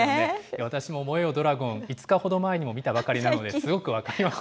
私も燃えよドラゴン、５日ほど前にも見たばかりなので、すごく分かります。